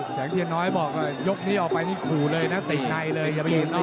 แสงเทียนน้อยบอกยกนี้ออกไปนี่ครูเลยนะติดในเลยอย่าไปหยุดนอก